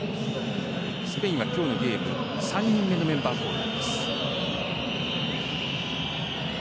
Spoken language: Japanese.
スペインは今日のゲーム３人目のメンバー交代です。